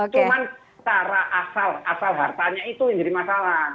cuman cara asal asal hartanya itu yang jadi masalah